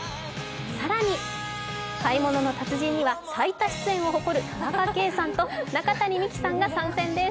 更に、「買い物の達人」には最多出演を誇る田中圭さんと中谷美紀さんが参戦です。